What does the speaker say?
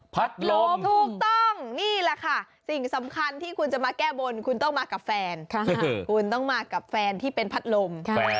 ลมถูกต้องนี่แหละค่ะสิ่งสำคัญที่คุณจะมาแก้บนคุณต้องมากับแฟนคุณต้องมากับแฟนที่เป็นพัดลม